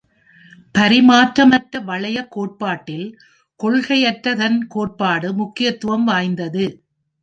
பரிமாற்றமற்ற வளையக் கோட்பாட்டில் கொள்கையற்றதன் கோட்பாடு முக்கியத்துவம் வாய்ந்தது.